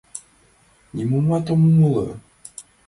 Нимомат ом умыло.